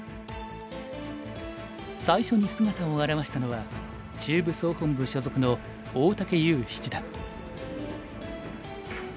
最初に姿を現したのは中部総本部所属の大竹優七段。